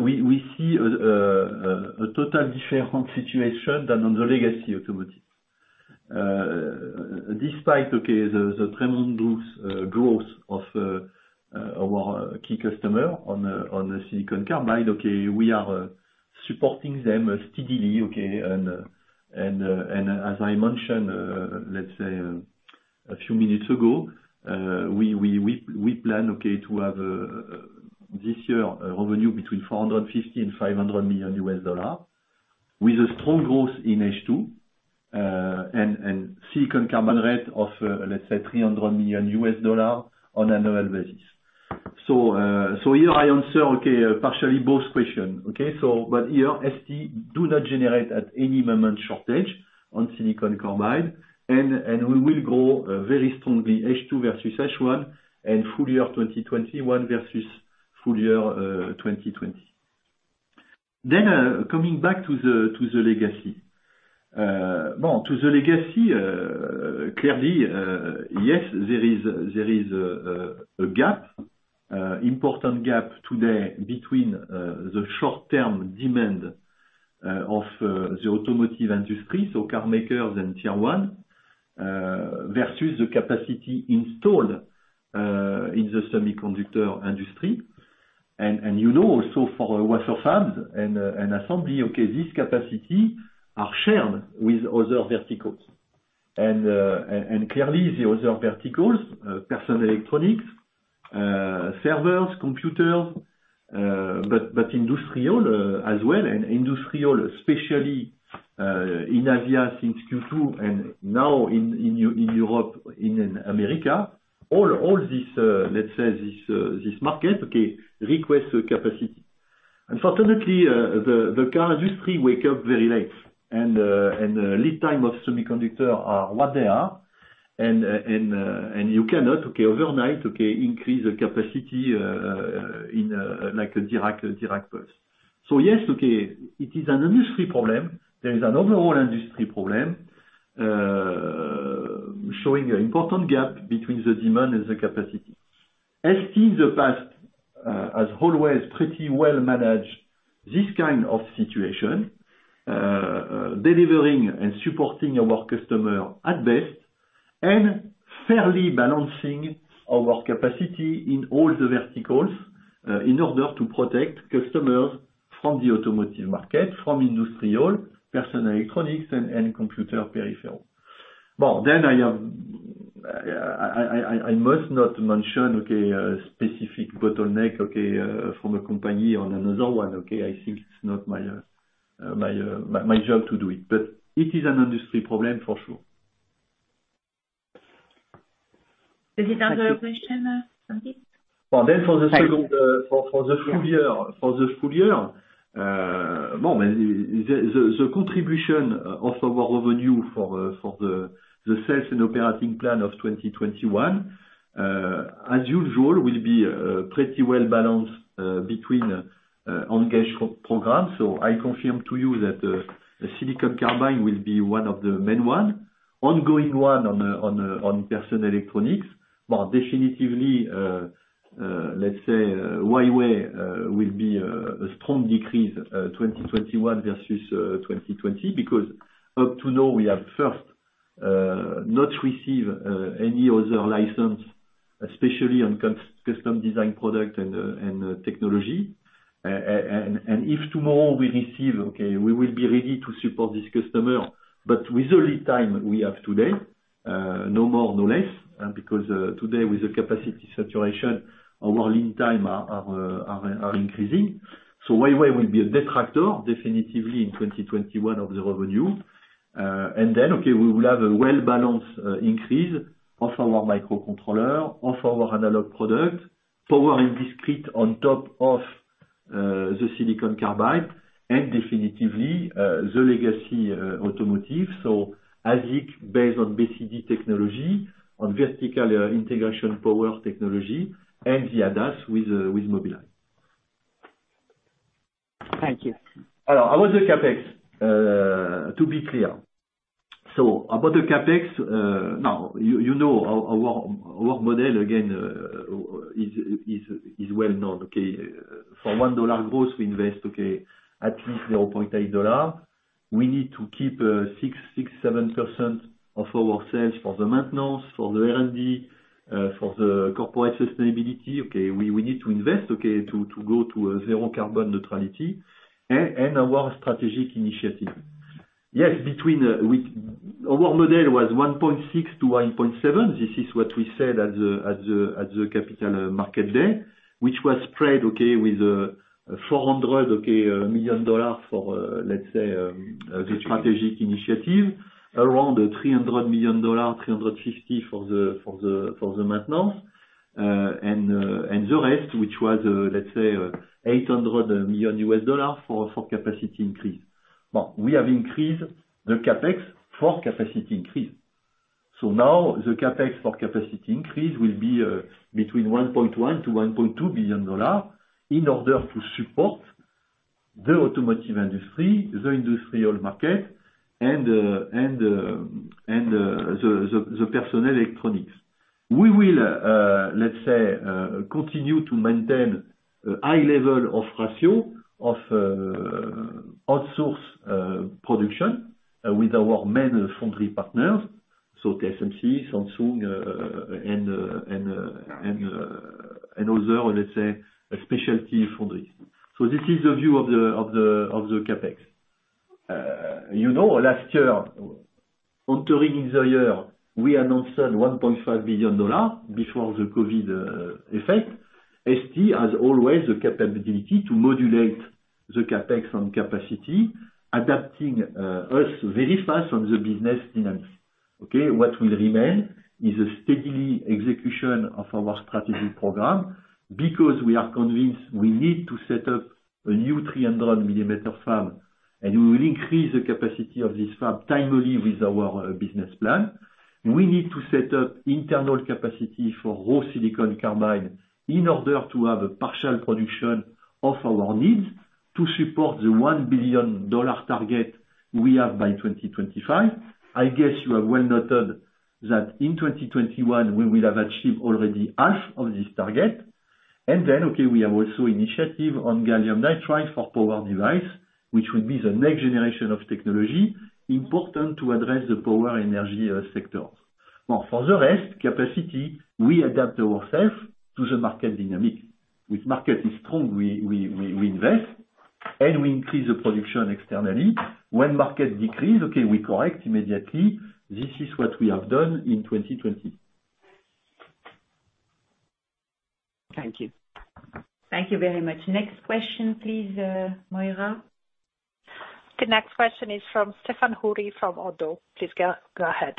We see a total different situation than on the legacy automotive. Despite the tremendous growth of our key customer on the silicon carbide, we are supporting them steadily. As I mentioned a few minutes ago, we plan to have this year revenue between $450 million and $500 million with a strong growth in H2, and silicon carbide rate of $300 million on an annual basis. Here I answer partially both question. Here, ST do not generate at any moment shortage on silicon carbide, and we will grow very strongly H2 versus H1 and full year 2021 versus full-year 2020. Coming back to the legacy. Well, to the legacy, clearly, yes, there is a gap, important gap today between the short-term demand of the automotive industry, so car makers and tier one, versus the capacity installed in the semiconductor industry. You know also for wafer fabs and assembly, okay, this capacity are shared with other verticals. Clearly the other verticals, personal electronics, servers, computers, but industrial as well, and industrial especially, in Asia since Q2 and now in Europe, in America. All this, let's say, this market, okay, request a capacity. Unfortunately, the car industry wake up very late, and lead time of semiconductor are what they are, and you cannot, okay, overnight, okay, increase the capacity in like a direct pulse. Yes, okay, it is an industry problem. There is an overall industry problem showing an important gap between the demand and the capacity. ST in the past, has always pretty well managed this kind of situation, delivering and supporting our customer at best and fairly balancing our capacity in all the verticals, in order to protect customers from the automotive market, from industrial, personal electronics and computer peripheral. I have. I must not mention a specific bottleneck from a company on another one. I think it's not my job to do it, but it is an industry problem for sure. Is it another question, Sandy? For the full-year. The contribution of our revenue for the sales and operating plan of 2021, as usual, will be pretty well-balanced between engaged programs. I confirm to you that the silicon carbide will be one of the main ones. Ongoing one on personal electronics. Definitively, Huawei will be a strong decrease 2021 versus 2020, because up to now, we have first not received any other license, especially on custom design product and technology. If tomorrow we receive, we will be ready to support this customer, but with the lead time we have today, no more, no less. Today with the capacity saturation, our lead time are increasing. Huawei will be a detractor definitively in 2021 of the revenue. Then, we will have a well-balanced increase of our microcontroller, of our analog product, power and discrete on top of the silicon carbide, and definitively the legacy automotive. ASIC based on BCD technology, on vertical integration power technology and the ADAS with Mobileye. Thank you. About the CapEx. To be clear. About the CapEx, now, you know our work model again is well-known, okay? For $1 gross, we invest at least $0.8. We need to keep 6%, 7% of our sales for the maintenance, for the R&D, for the corporate sustainability. We need to invest to go to zero carbon neutrality and our strategic initiative. Yes, our model was 1.6 to 1.7. This is what we said at the Capital Markets Day, which was spread with $400 million for, let's say, the strategic initiative. Around $300 million, $350 million for the maintenance. The rest, which was, let's say, $800 million for capacity increase. We have increased the CapEx for capacity increase. Now the CapEx for capacity increase will be between $1.1 billion-$1.2 billion in order to support the automotive industry, the industrial market, and the personal electronics. We will, let's say, continue to maintain a high level of ratio of outsource production with our main foundry partners. TSMC, Samsung and other, let's say, specialty foundries. This is the view of the CapEx. You know last year, entering the year, we announced $1.5 billion before the COVID effect. ST has always the capability to modulate the CapEx and capacity, adapting us very fast on the business dynamics. What will remain is a steady execution of our strategic program, because we are convinced we need to set up a new 300-millimeter fab, and we will increase the capacity of this fab timely with our business plan. We need to set up internal capacity for raw silicon carbide in order to have a partial production of our needs to support the $1 billion target we have by 2025. I guess you have well noted that in 2021, we will have achieved already half of this target. We have also initiative on gallium nitride for power device, which will be the next generation of technology important to address the power energy sector. For the rest capacity, we adapt ourselves to the market dynamics. Which market is strong, we invest, and we increase the production externally. When market decrease, we correct immediately. This is what we have done in 2020. Thank you. Thank you very much. Next question please, Moira. The next question is from Stéphane Houri from ODDO BHF. Please go ahead.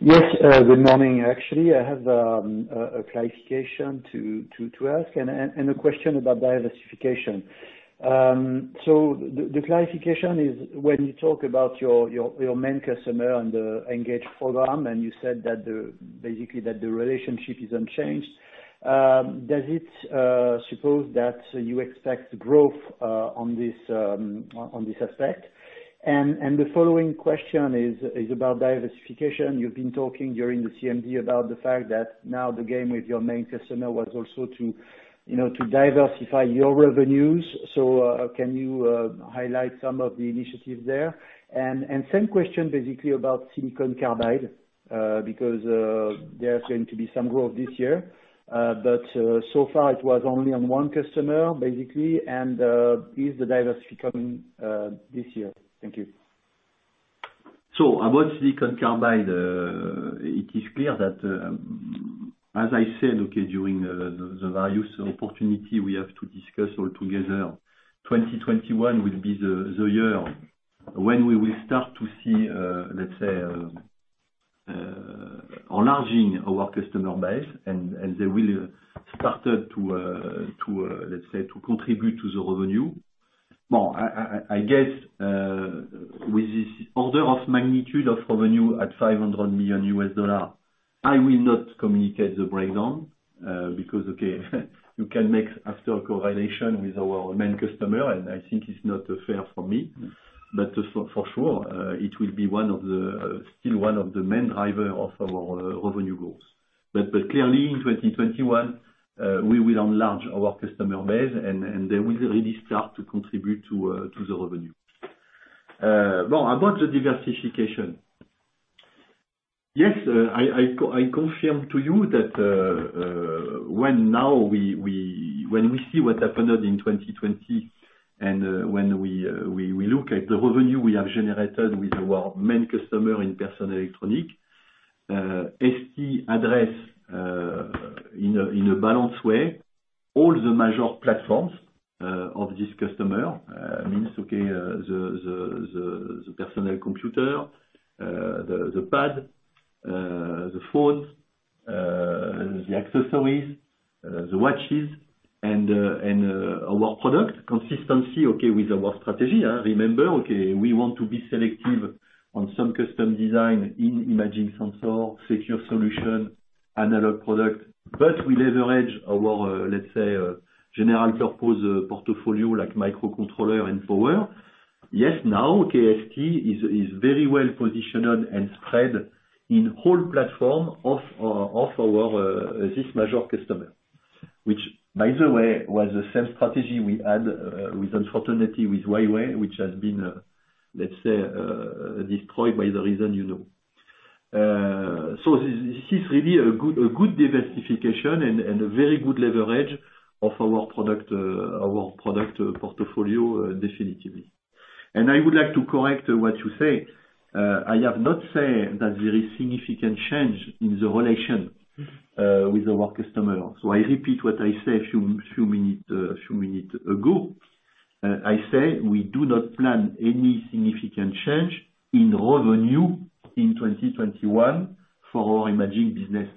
Yes, good morning. I have a clarification to ask and a question about diversification. The clarification is when you talk about your main customer and the engaged program, and you said that basically that the relationship is unchanged. Does it suppose that you expect growth on this aspect? The following question is about diversification. You've been talking during the CMD about the fact that now the game with your main customer was also to diversify your revenues. Can you highlight some of the initiatives there? Same question basically about silicon carbide, because there's going to be some growth this year. So far it was only on one customer, basically. Is the diversification this year? Thank you. About silicon carbide, it is clear that as I said, during the various opportunities we have to discuss all together, 2021 will be the year when we will start to see, let's say, enlarging our customer base and they will started to, let's say, to contribute to the revenue. Well, I guess, with this order of magnitude of revenue at $500 million, I will not communicate the breakdown, because you can make after correlation with our main customer, and I think it's not fair for me. For sure, it will be still one of the main driver of our revenue goals. Clearly in 2021, we will enlarge our customer base and they will really start to contribute to the revenue. Well, about the diversification. I confirm to you that, when we see what happened in 2020 and when we look at the revenue we have generated with our main customer in personal electronic, ST address in a balanced way all the major platforms of this customer, means, okay, the personal computer, the pad, the phone, the accessories, the watches and our product consistency, okay with our strategy. Remember, okay, we want to be selective on some custom design in imaging sensor, secure solution, analog product. We leverage our, let's say, general purpose portfolio like microcontroller and power. Yes. Now, ST is very well-positioned and spread in whole platform of our this major customer. Which by the way, was the same strategy we had with unfortunately with Huawei, which has been, let's say, destroyed by the reason you know. This is really a good diversification and a very good leverage of our product portfolio definitively. I would like to correct what you say. I have not said that there is significant change in the relation with our customer. I repeat what I said a few minute ago. I say we do not plan any significant change in revenue in 2021 for our imaging business.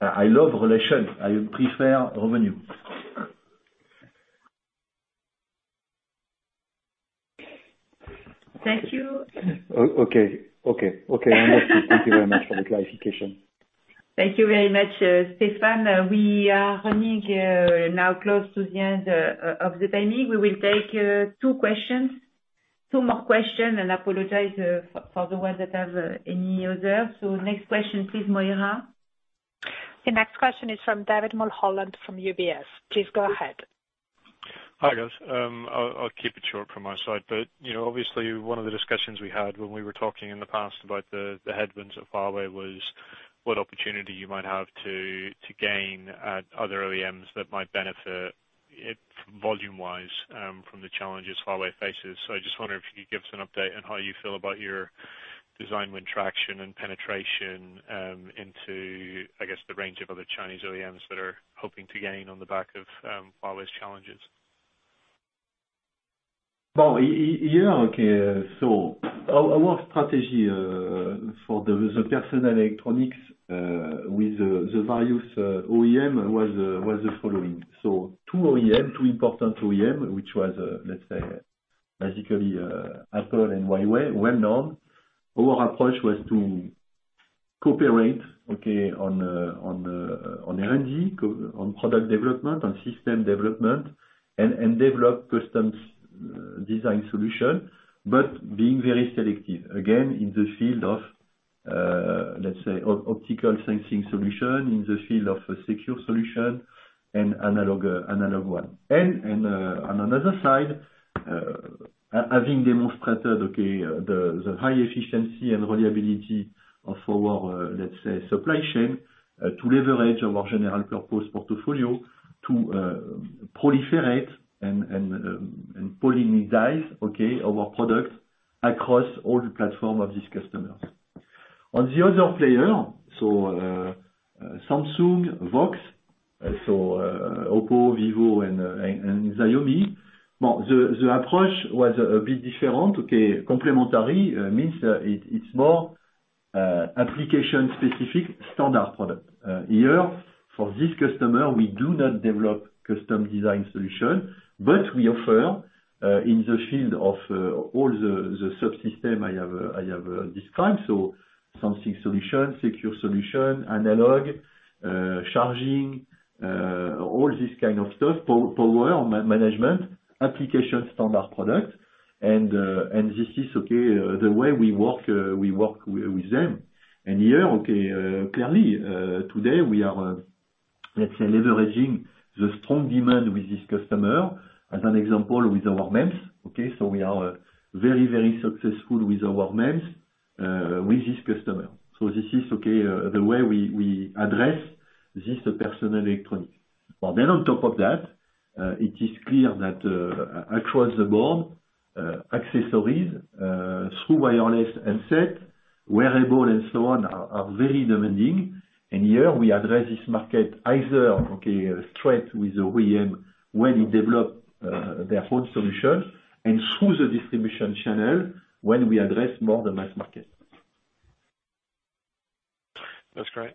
I love relation. I prefer revenue. Thank you. Okay. I understood. Thank you very much for the clarification. Thank you very much, Stéphane. We are running now close to the end of the timing. We will take two more question and apologize for the ones that have any other. Next question, please, Moira. The next question is from David Mulholland from UBS. Please go ahead. Hi, guys. I'll keep it short from my side, but obviously one of the discussions we had when we were talking in the past about the headwinds of Huawei was what opportunity you might have to gain at other OEMs that might benefit volume wise from the challenges Huawei faces. I just wonder if you could give us an update on how you feel about your design win traction and penetration into, I guess, the range of other Chinese OEMs that are hoping to gain on the back of Huawei's challenges. Well, yeah. Okay. Our strategy for the personal electronics with the various OEM was the following. Two important OEM, which was, let's say basically, Apple and Huawei, well-known. Our approach was to cooperate, okay, on R&D, on product development, on system development and develop custom design solution, but being very selective again in the field of, let's say, optical sensing solution, in the field of secure solution and analog one. On another side, having demonstrated, okay, the high efficiency and reliability of our, let's say, supply chain to leverage our general purpose portfolio to proliferate and productize, okay, our product across all the platform of this customer. On the other player, so Samsung, Vox, so OPPO, Vivo and Xiaomi. Well, the approach was a bit different, okay, complementary means it's more application specific standard product. Here, for this customer, we do not develop custom design solution, but we offer in the field of all the subsystem I have described, sensing solution, secure solution, analog, charging, all this kind of stuff, power management, application standard product. This is, okay, the way we work with them. Here, okay, clearly, today we are, let's say, leveraging the strong demand with this customer as an example with our MEMS. We are very successful with our MEMS with this customer. This is, okay, the way we address this personal electronic. On top of that, it is clear that across the board, accessories, true wireless headset, wearable and so on, are very demanding. Here we address this market either, okay, straight with the OEM, when it develop their own solution, and through the distribution channel, when we address more the mass market. That's great.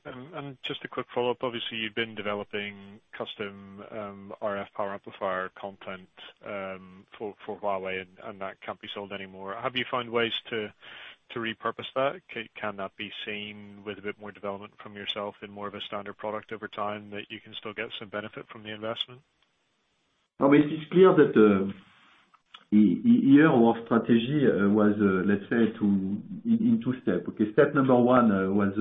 Just a quick follow-up. Obviously, you've been developing custom RF power amplifier content for Huawei, that can't be sold anymore. Have you found ways to repurpose that? Can that be seen with a bit more development from yourself in more of a standard product over time, that you can still get some benefit from the investment? It's clear that here our strategy was, let's say, in two step. Step number one was,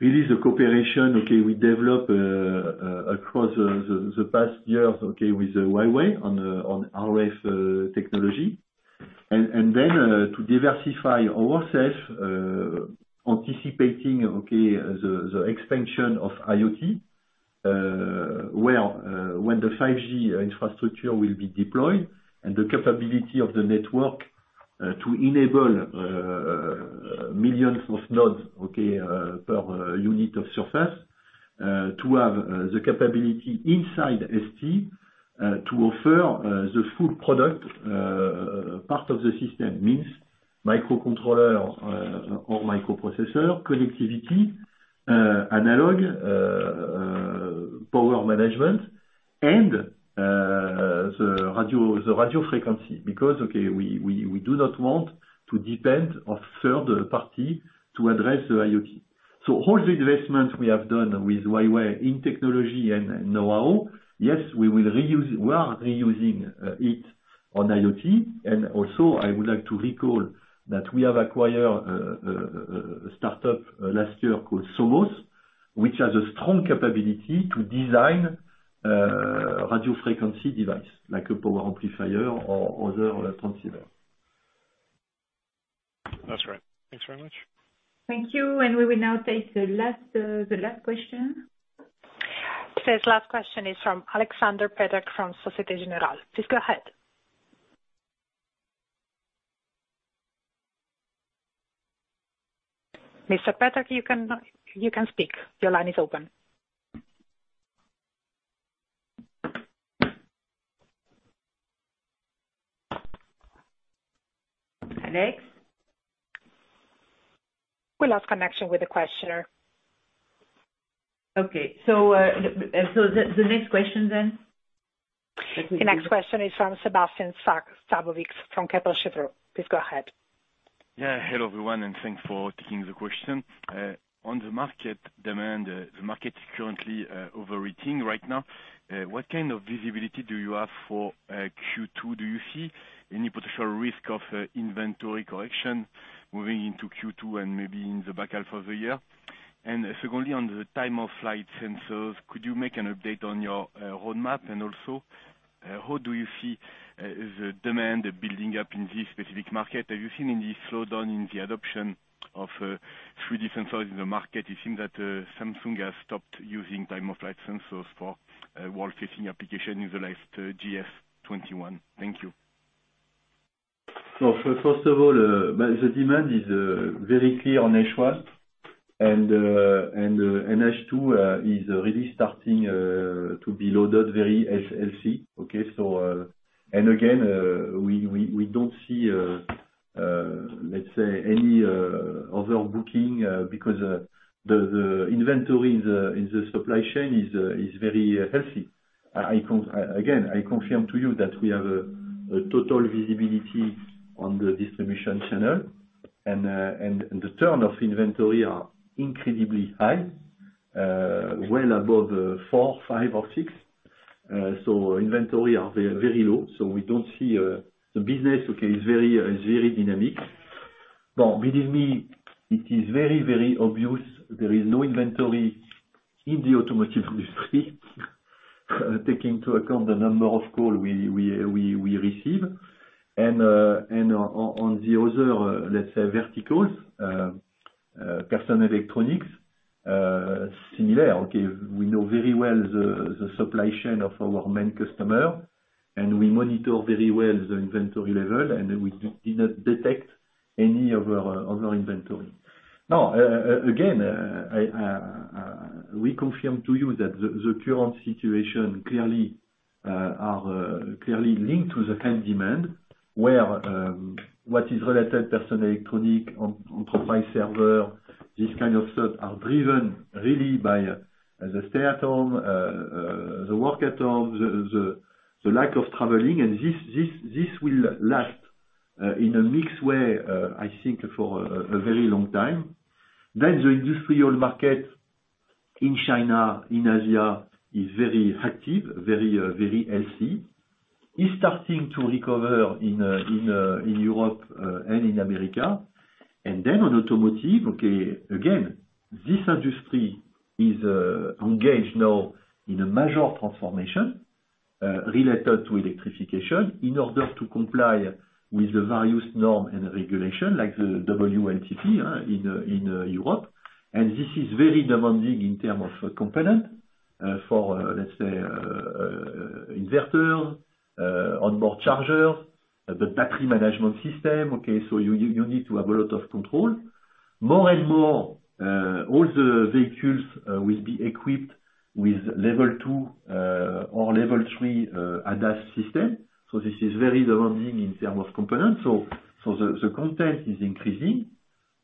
release the cooperation. Okay. We develop across the past years, okay, with Huawei on RF technology. Then to diversify ourself, anticipating, okay, the expansion of IoT, where when the 5G infrastructure will be deployed and the capability of the network to enable millions of nodes, okay, per unit of surface. To have the capability inside ST to offer the full product, part of the system, means microcontroller or microprocessor, connectivity, analog, power management, and the radio frequency. Okay, we do not want to depend on third party to address the IoT. All the investments we have done with Huawei in technology and knowhow, yes, we are reusing it on IoT. Also, I would like to recall that we have acquired a startup last year called Somos, which has a strong capability to design radio frequency device, like a power amplifier or other transceiver. That's great. Thanks very much. Thank you. We will now take the last question. Today's last question is from Alexander Peterc from Societe Generale. Please go ahead. Mr. Peterc, you can speak. Your line is open. Alex? We lost connection with the questioner. Okay. The next question then? The next question is from Sébastien Sztabowicz from Kepler Cheuvreux. Please go ahead. Yeah. Hello, everyone, and thanks for taking the question. On the market demand, the market is currently overheating right now. What kind of visibility do you have for Q2? Do you see any potential risk of inventory correction moving into Q2 and maybe in the back half of the year? Secondly, on the time of flight sensors, could you make an update on your roadmap? Also, how do you see the demand building up in this specific market? Have you seen any slowdown in the adoption of 3D sensors in the market? It seems that Samsung has stopped using time of flight sensors for world-facing application in the latest GS21. Thank you. First of all, the demand is very clear on H1. H2 is really starting to be loaded very healthy. Okay. Again, we don't see, let's say, any overbooking because the inventory in the supply chain is very healthy. Again, I confirm to you that we have a total visibility on the distribution channel, and the turn of inventory are incredibly high, well above four, five, or six. Inventory is very low. We don't see the business, okay, is very dynamic. Believe me, it is very obvious there is no inventory in the automotive industry, taking into account the number of calls we receive. On the other, let's say, verticals, personal electronics, similar. Okay. We know very well the supply chain of our main customer, and we monitor very well the inventory level, and we did not detect any over-inventory. Again, we confirm to you that the current situation are clearly linked to the current demand, where what is related personal electronic, enterprise server, this kind of stuff, are driven really by the stay at home, the work at home, the lack of traveling. This will last in a mixed way, I think, for a very long time. The industrial market in China, in Asia, is very active, very healthy. It is starting to recover in Europe and in America. On automotive, okay, again, this industry is engaged now in a major transformation related to electrification in order to comply with the various norm and regulation, like the WLTP in Europe. This is very demanding in terms of component for, let's say, inverter, onboard charger, the battery management system. Okay, you need to have a lot of control. More and more, all the vehicles will be equipped with level 2 or level 3 ADAS system. This is very demanding in terms of components. The content is increasing.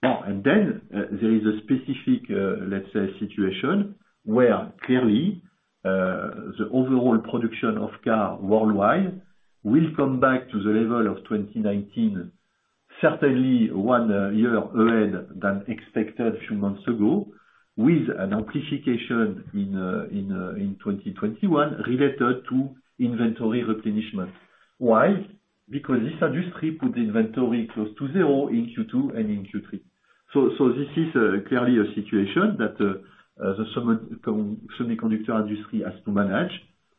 Then there is a specific, let's say, situation where clearly, the overall production of car worldwide will come back to the level of 2019, certainly one year ahead than expected few months ago, with an amplification in 2021 related to inventory replenishment. Why? Because this industry put inventory close to zero in Q2 and in Q3. This is clearly a situation that the semiconductor industry has to manage,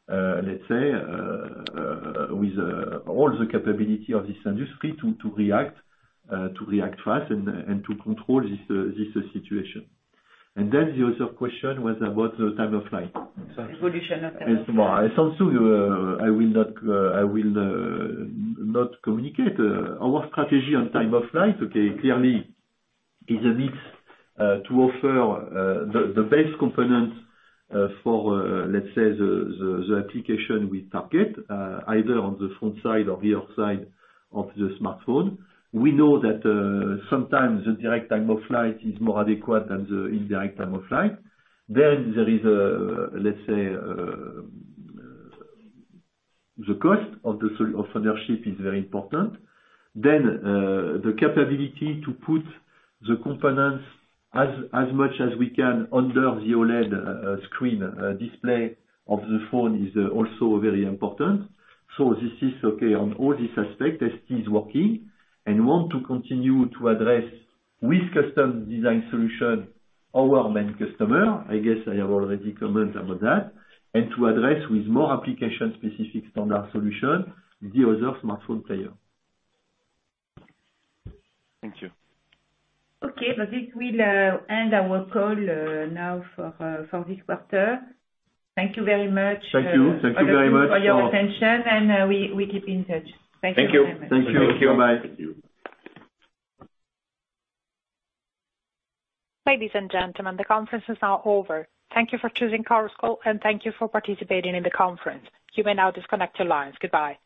let's say, with all the capability of this industry to react fast and to control this situation. Then the other question was about the time of flight. Evolution of time of flight. It's something I will not communicate. Our strategy on time of flight, okay, clearly is a mix to offer the best component for, let's say, the application we target, either on the front side or rear side of the smartphone. We know that sometimes the direct time of flight is more adequate than the indirect time of flight. There is, let's say, the cost of ownership is very important. The capability to put the components as much as we can under the OLED screen display of the phone is also very important. This is okay. On all these aspects, ST is working and want to continue to address with custom design solution our main customer, I guess I have already comment about that, and to address with more application-specific standard solution the other smartphone player. Thank you. Okay, this will end our call now for this quarter. Thank you very much. Thank you. Thank you very much. For your attention, and we keep in touch. Thank you very much. Thank you. Thank you. Bye. Thank you. Ladies and gentlemen, the conference is now over. Thank you for choosing Chorus Call, and thank you for participating in the conference. You may now disconnect your lines. Goodbye.